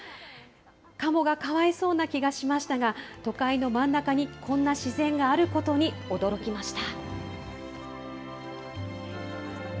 カモがかわいそうな気がしましたが、都会の真ん中にこんな自然があることに驚きました。